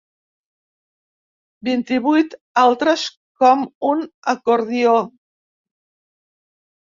Vint-i-vuit altres com un acordió.